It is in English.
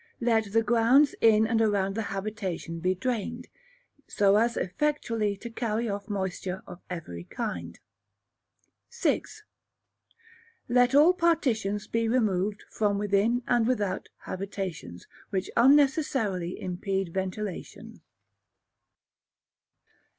Let the Grounds in and around the habitation be drained, so as effectually to carry off moisture of every kind. vi. Let all Partitions he removed from within and without habitations, which unnecessarily impede ventilation.